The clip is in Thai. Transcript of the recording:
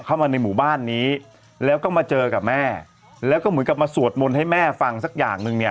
เข้ามาในหมู่บ้านนี้แล้วก็มาเจอกับแม่แล้วก็เหมือนกับมาสวดมนต์ให้แม่ฟังสักอย่างหนึ่งเนี่ย